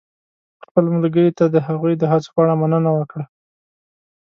خپل ملګري ته د هغوی د هڅو په اړه مننه وکړه.